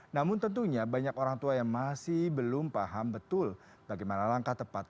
namun tentunya banyak orang tua yang masih belum paham betul bagaimana langkah tepat